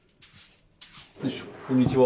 こんにちは。